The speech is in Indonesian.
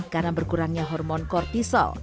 karena berkurangnya hormon kortisol